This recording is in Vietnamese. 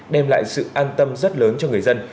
đem lại sự an tâm rất lớn cho người dân